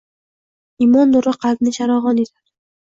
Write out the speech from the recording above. Imon nuri qalbni charog‘on etadi.